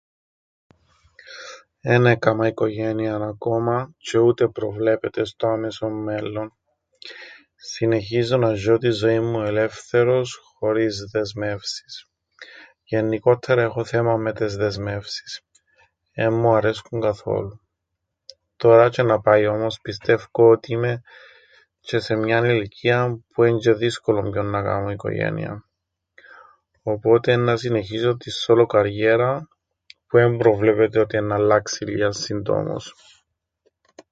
Εν έκαμα οικογένειαν ακόμα τζ̆αι ούτε προβλέπεται στο άμεσον μέλλον. Συνεχίζω να ζ̆ιω την ζωήν μου ελεύθερος χωρίς δεσμεύσεις. Γεννικόττερα έχω θέμαν με τες δεσμεύσεις. Εν μου αρέσκουν καθόλου. Τωρά τζ̆αι να πάει όμως πιστεύκω οτι είμαι τζ̆αι σε μιαν ηλικίαν που εν' τζ̆̀αι δύσκολον πιον να κάμω οικογενειαν. Οπότε ενν΄ά συνεχίσω την σόλο καριέραν που εν προβλέπεται ότι εννά αλλάξει λίαν συντόμως.